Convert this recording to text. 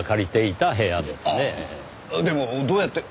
でもどうやって？